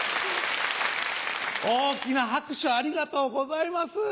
大きな拍手をありがとうございます。